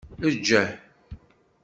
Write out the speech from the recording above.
Eggeh